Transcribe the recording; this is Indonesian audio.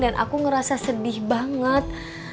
dan aku ngerasa sedih banget